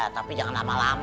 tapi jangan lama lama